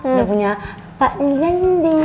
udah punya pak ndi